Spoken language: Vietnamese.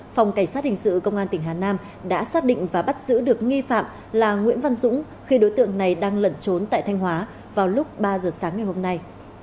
phòng cảnh sát hình sự công an tỉnh hà nam đã xác định và bắt giữ được nghi phạm là nguyễn văn dũng khi đối tượng này đang lẩn trốn tại thanh hóa vào lúc ba giờ sáng ngày hôm nay